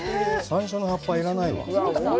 山椒の葉っぱ、要らないわ。